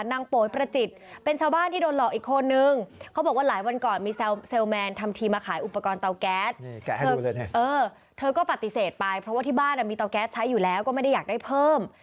เธอก็ปฏิเสธไปเพราะว่าที่บ้านมีเตาแก๊สใช้อยู่แล้วก็ไม่ได้อยากได้เพิ่ม